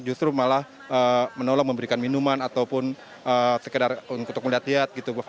justru malah menolong memberikan minuman ataupun sekedar untuk melihat lihat gitu